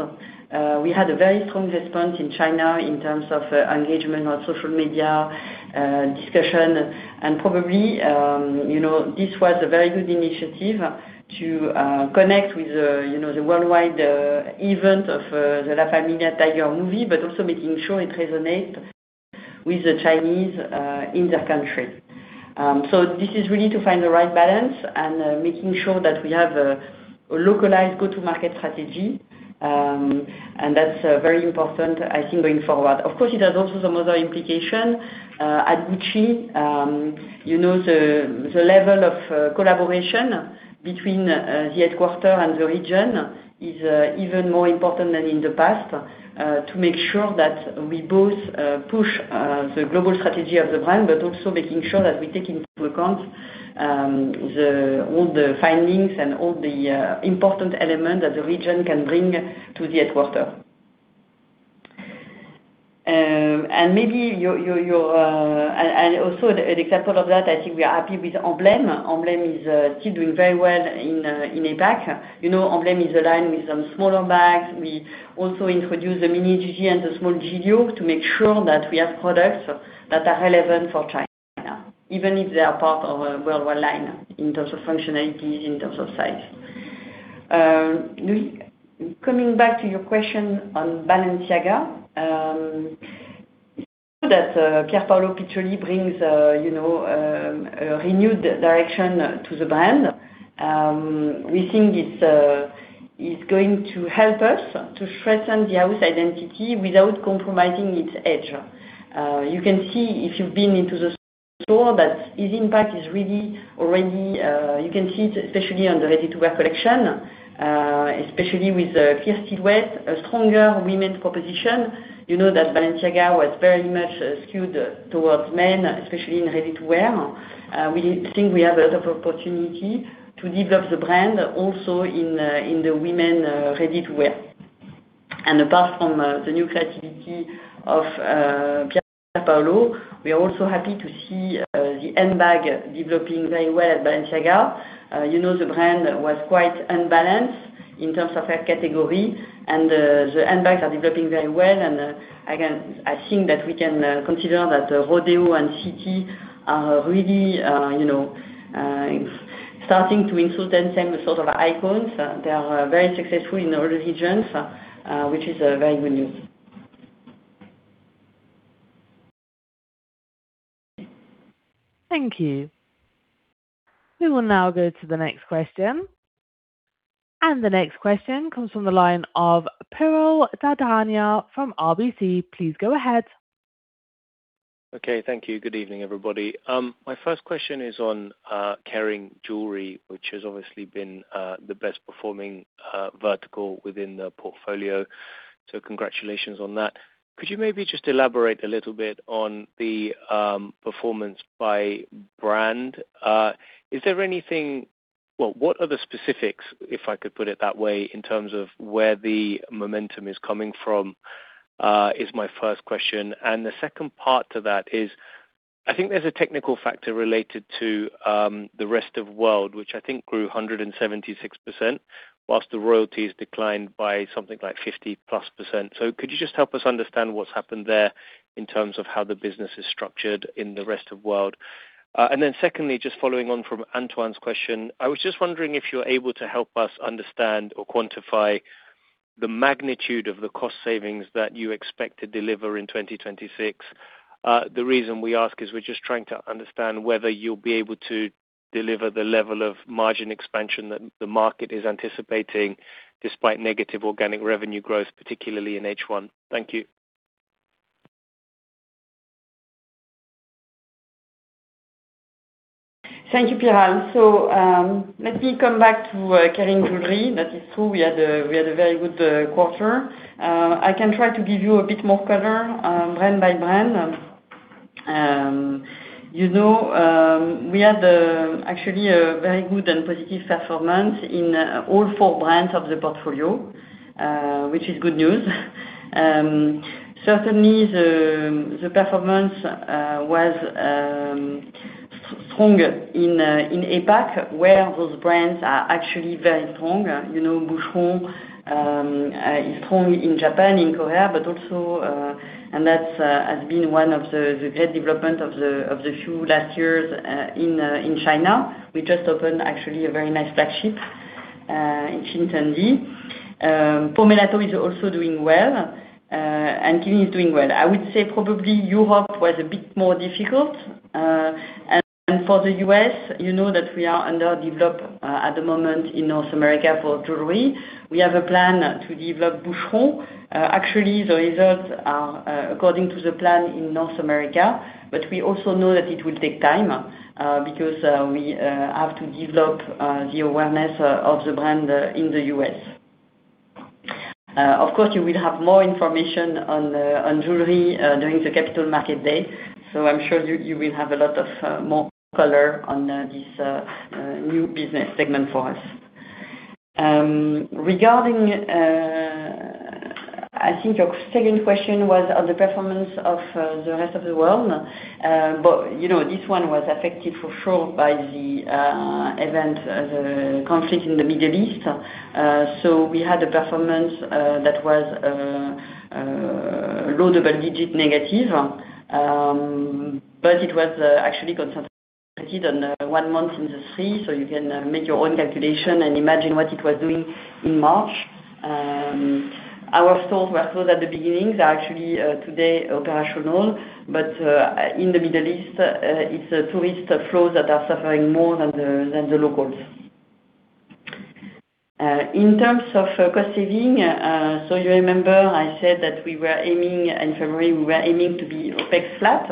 B: we had a very strong response in China in terms of engagement on social media, discussion, and probably this was a very good initiative to connect with the worldwide event of the La Famiglia tiger movie, but also making sure it resonates with the Chinese in their country. This is really to find the right balance and making sure that we have a localized go-to-market strategy, and that's very important, I think, going forward. Of course, it has also some other implication. At Gucci, the level of collaboration between the headquarter and the region is even more important than in the past to make sure that we both push the global strategy of the brand, but also making sure that we take into account all the findings and all the important elements that the region can bring to the headquarter. Also an example of that, I think we are happy with Emblème. Emblème is still doing very well in APAC. Emblème is aligned with some smaller bags. We also introduced the Mini Giglio and the Small Giglio to make sure that we have products that are relevant for China, even if they are part of a worldwide line in terms of functionalities, in terms of size. Coming back to your question on Balenciaga. You know that Pierpaolo Piccioli brings a renewed direction to the brand. We think it's going to help us to strengthen the house identity without compromising its edge. You can see, if you've been into the store, that his impact is really already, you can see it especially on the ready-to-wear collection, especially with a clear silhouette, a stronger women's proposition. You know that Balenciaga was very much skewed towards men, especially in ready-to-wear. We think we have a lot of opportunity to develop the brand also in the women ready-to-wear. Apart from the new creativity of Pierpaolo, we are also happy to see the handbag developing very well at Balenciaga. You know the brand was quite unbalanced in terms of a category, and the handbags are developing very well, and again, I think that we can consider that Rodeo and City are really starting to become these same sort of icons. They are very successful in all the regions, which is very good news
A: Thank you. We will now go to the next question. The next question comes from the line of Piral Dadhania from RBC. Please go ahead.
J: Okay. Thank you. Good evening, everybody. My first question is on Kering Jewelry, which has obviously been the best performing vertical within the portfolio. Congratulations on that. Could you maybe just elaborate a little bit on the performance by brand? What are the specifics, if I could put it that way, in terms of where the momentum is coming from, is my first question. The second part to that is, I think there's a technical factor related to the Rest of World, which I think grew 176%, whilst the royalties declined by something like 50%-plus. Could you just help us understand what's happened there in terms of how the business is structured in the Rest of World? Secondly, just following on from Antoine's question, I was just wondering if you're able to help us understand or quantify the magnitude of the cost savings that you expect to deliver in 2026. The reason we ask is we're just trying to understand whether you'll be able to deliver the level of margin expansion that the market is anticipating despite negative organic revenue growth, particularly in H1. Thank you.
B: Thank you, Piral. Let me come back to Kering Jewelry. That is true, we had a very good quarter. I can try to give you a bit more color, brand by brand. We had actually a very good and positive performance in all four brands of the portfolio, which is good news. Certainly, the performance was stronger in APAC, where those brands are actually very strong. Boucheron is strong in Japan, in Korea, and that has been one of the great development of the few last years in China. We just opened, actually, a very nice flagship in Shenzhen. Pomellato is also doing well, and Qeelin is doing well. I would say probably Europe was a bit more difficult. For the U.S., you know that we are underdeveloped at the moment in North America for jewelry. We have a plan to develop Boucheron. Actually, the results are according to the plan in North America, but we also know that it will take time, because we have to develop the awareness of the brand in the U.S. Of course, you will have more information on Jewelry during the Capital Markets Day, so I'm sure you will have a lot of more color on this new business segment for us. Regarding, I think your second question was on the performance of the rest of the world. This one was affected for sure by the event, the conflict in the Middle East. We had a performance that was low double-digit negative. It was actually concentrated on one month in the three, so you can make your own calculation and imagine what it was doing in March. Our stores were closed at the beginning. They are actually today operational, but in the Middle East, it's tourist flows that are suffering more than the locals. In terms of cost saving, you remember I said that in February, we were aiming to be OpEx flat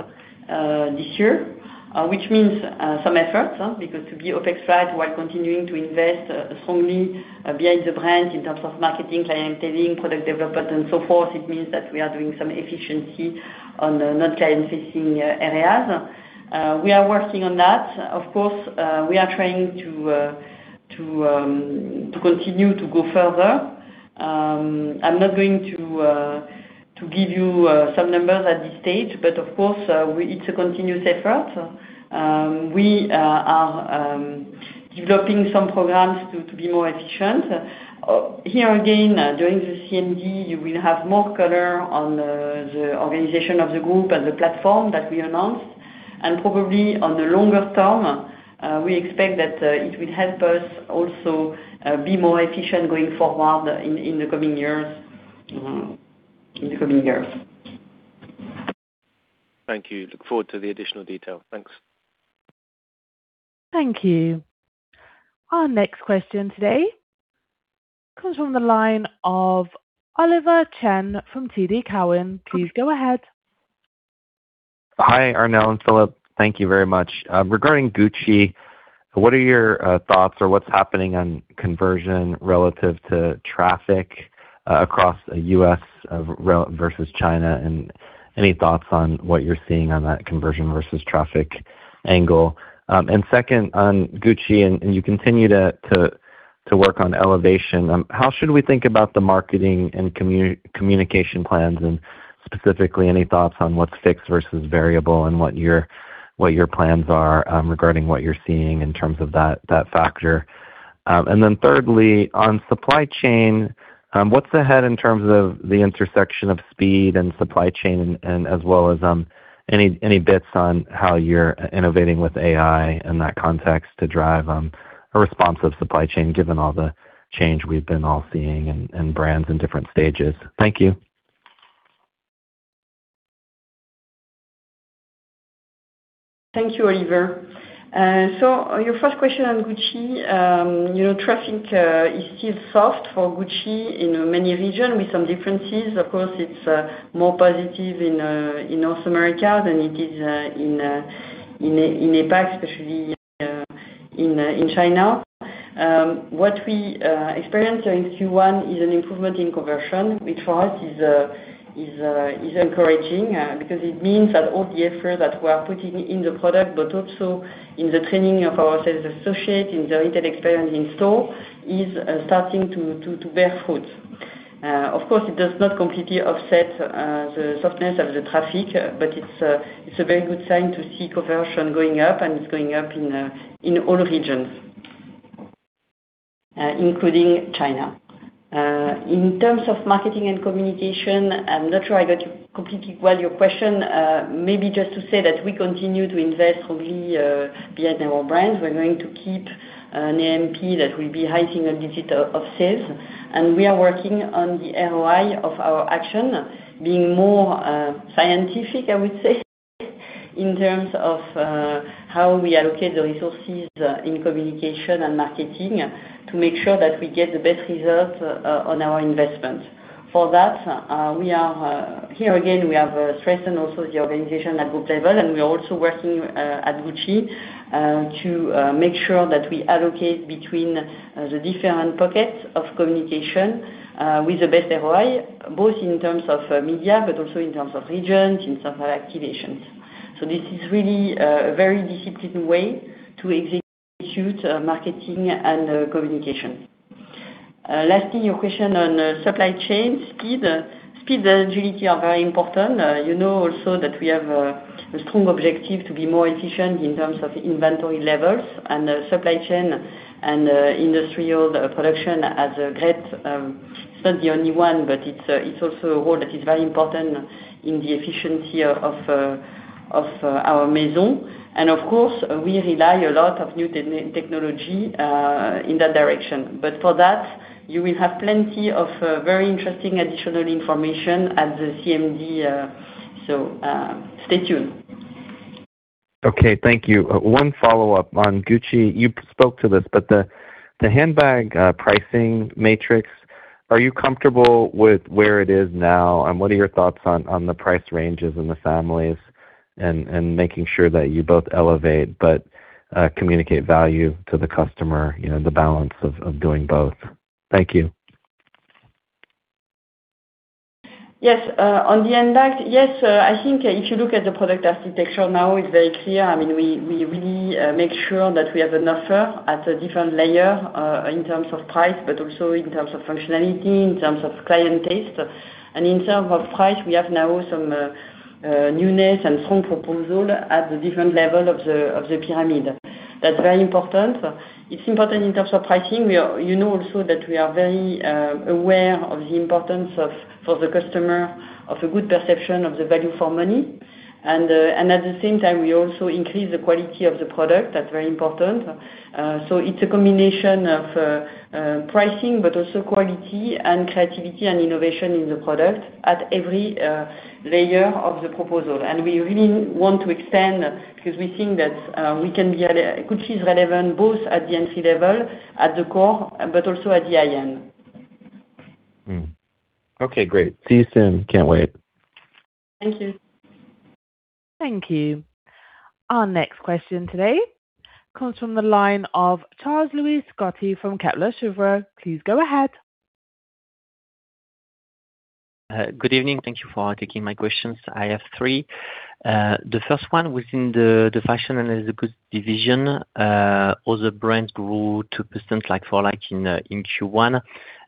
B: this year, which means some effort, because to be OpEx flat while continuing to invest strongly behind the brand in terms of marketing, clienteling, product development, and so forth, it means that we are doing some efficiency on the not client-facing areas. We are working on that. Of course, we are trying to continue to go further. I'm not going to give you some numbers at this stage, but of course, it's a continuous effort. We are developing some programs to be more efficient. Here again, during the CMD, you will have more color on the organization of the group and the platform that we announced. Probably on the longer term, we expect that it will help us also be more efficient going forward in the coming years.
J: Thank you. Look forward to the additional detail. Thanks.
A: Thank you. Our next question today comes from the line of Oliver Chen from TD Cowen. Please go ahead.
K: Hi, Armelle and Philippine. Thank you very much. Regarding Gucci, what are your thoughts or what's happening on conversion relative to traffic across U.S. versus China? Any thoughts on what you're seeing on that conversion versus traffic angle? Second, on Gucci, and you continue to work on elevation, how should we think about the marketing and communication plans? Specifically, any thoughts on what's fixed versus variable and what your plans are regarding what you're seeing in terms of that factor? Thirdly, on supply chain, what's ahead in terms of the intersection of speed and supply chain, and as well as any bits on how you're innovating with AI in that context to drive a responsive supply chain, given all the change we've been all seeing and brands in different stages. Thank you.
B: Thank you, Oliver. Your first question on Gucci. Traffic is still soft for Gucci in many regions with some differences. Of course, it's more positive in North America than it is in APAC, especially in China. What we experienced in Q1 is an improvement in conversion, which for us is encouraging, because it means that all the effort that we are putting in the product, but also in the training of our sales associates, in their retail experience in store, is starting to bear fruit. Of course, it does not completely offset the softness of the traffic, but it's a very good sign to see conversion going up, and it's going up in all regions, including China. In terms of marketing and communication, I'm not sure I got completely well your question. Maybe just to say that we continue to invest strongly behind our brands. We're going to keep an A&P that will be 8%-9% of sales, and we are working on the ROI of our action, being more scientific, I would say, in terms of how we allocate the resources in communication and marketing to make sure that we get the best results on our investment. For that, here again, we have strengthened also the organization at Group level, and we are also working at Gucci to make sure that we allocate between the different pockets of communication with the best ROI, both in terms of media, but also in terms of regions, in terms of activations. This is really a very disciplined way to execute marketing and communication. Lastly, your question on supply chain speed. Speed and agility are very important. You know also that we have a strong objective to be more efficient in terms of inventory levels and supply chain and industrial production. As a Group, it's not the only one, but it's also a role that is very important in the efficiency of our Maison. Of course, we rely a lot on new technology in that direction. For that, you will have plenty of very interesting additional information at the CMD, so stay tuned.
K: Okay, thank you. One follow-up on Gucci. You spoke to this. The handbag pricing matrix, are you comfortable with where it is now? What are your thoughts on the price ranges and the families and making sure that you both elevate but communicate value to the customer, the balance of doing both? Thank you.
B: Yes. On the handbag, yes, I think if you look at the product architecture now, it's very clear. We really make sure that we have an offer at a different layer, in terms of price, but also in terms of functionality, in terms of client taste. In terms of price, we have now some newness and strong proposal at the different level of the pyramid. That's very important. It's important in terms of pricing. You know also that we are very aware of the importance for the customer of a good perception of the value for money. At the same time, we also increase the quality of the product. That's very important. It's a combination of pricing, but also quality and creativity and innovation in the product at every layer of the proposal. We really want to expand, because we think that Gucci is relevant both at the entry level, at the core, but also at the high-end.
K: Okay, great. See you soon. Can't wait.
B: Thank you.
A: Thank you. Our next question today comes from the line of Charles-Louis Scotti from Kepler Cheuvreux. Please go ahead.
L: Good evening. Thank you for taking my questions. I have three. The first one within the Fashion & Leather Goods division, other brands grew 2% like-for-like in Q1.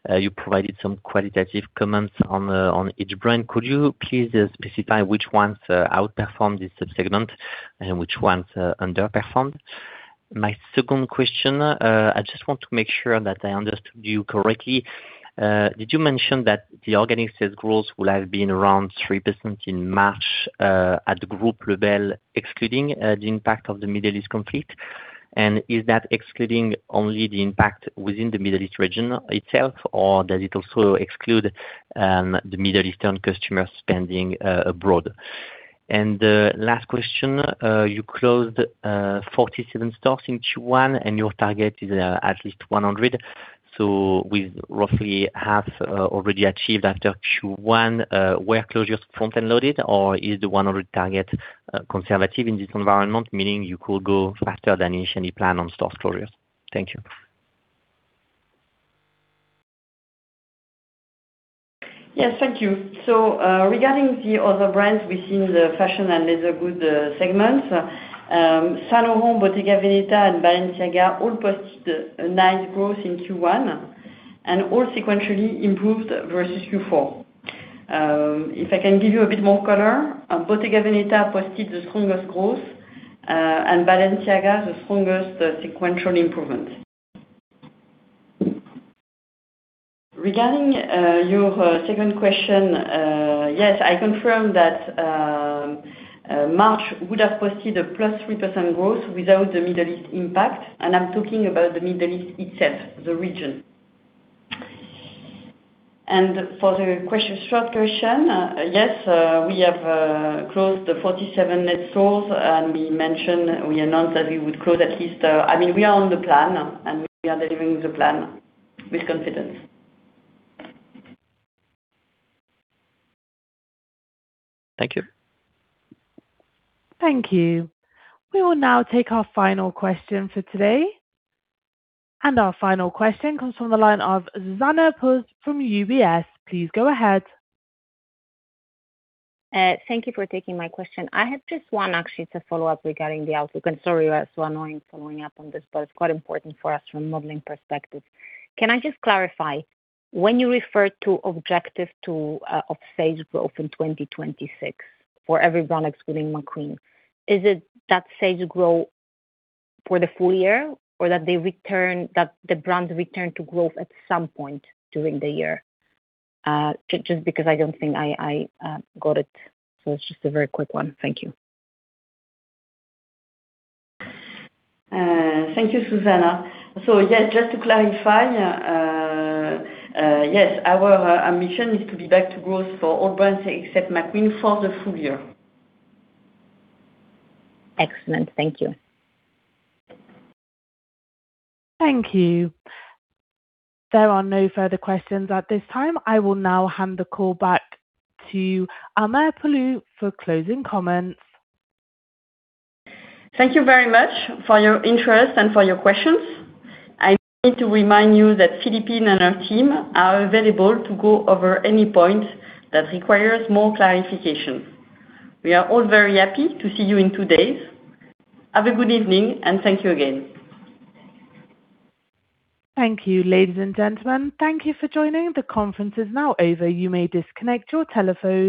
L: You provided some qualitative comments on each brand. Could you please specify which ones outperformed this segment and which ones underperformed? My second question, I just want to make sure that I understood you correctly. Did you mention that the organic sales growth will have been around 3% in March at the group level, excluding the impact of the Middle East conflict? Is that excluding only the impact within the Middle East region itself, or does it also exclude the Middle Eastern customers spending abroad? Last question, you closed 47 stores in Q1, and your target is at least 100. With roughly half already achieved after Q1, were closures front-end loaded, or is the 100 target conservative in this environment, meaning you could go faster than initially planned on store closures? Thank you.
B: Yes. Thank you. Regarding the other brands within the Fashion & Leather Goods segments, Saint Laurent, Bottega Veneta, and Balenciaga all posted a nice growth in Q1, and all sequentially improved versus Q4. If I can give you a bit more color, Bottega Veneta posted the strongest growth, and Balenciaga, the strongest sequential improvement. Regarding your second question, yes, I confirm that March would have posted a +3% growth without the Middle East impact. I'm talking about the Middle East itself, the region. For the short question, yes, we have closed the 47 net stores. We are on the plan, and we are delivering the plan with confidence.
L: Thank you.
A: Thank you. We will now take our final question for today. Our final question comes from the line of Zuzanna Pusz from UBS. Please go ahead.
M: Thank you for taking my question. I had just one actually to follow up regarding the outlook, and sorry if we're so annoying following up on this, but it's quite important for us from a modeling perspective. Can I just clarify, when you refer to objective to restore growth in 2026 for every brand excluding Alexander McQueen, is it that restore growth for the full year or that the brands return to growth at some point during the year? Just because I don't think I got it. It's just a very quick one. Thank you.
B: Thank you, Zuzanna. Yes, just to clarify, yes, our mission is to be back to growth for all brands except McQueen for the full year.
M: Excellent. Thank you.
A: Thank you. There are no further questions at this time. I will now hand the call back to Armelle Poulou for closing comments.
B: Thank you very much for your interest and for your questions. I need to remind you that Philippine and our team are available to go over any point that requires more clarification. We are all very happy to see you in two days. Have a good evening, and thank you again.
A: Thank you, ladies and gentlemen. Thank you for joining. The conference is now over. You may disconnect your telephones.